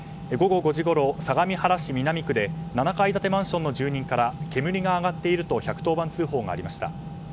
午後５時ごろ、相模原市南区で７階建てマンションの住民から煙が上がっていると１１０番通報がありました。